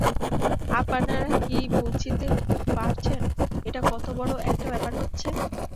আপনারা কি বুঝতে পারছেন এটা কত বড়ো একটা ব্যাপার হচ্ছে!